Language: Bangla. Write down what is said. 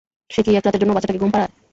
সে কি এক রাতের জন্যও বাচ্চাটাকে ঘুম পাড়ায়?